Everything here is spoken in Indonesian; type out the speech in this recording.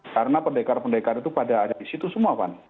karena pendekar pendekar itu pada ada di situ semua pak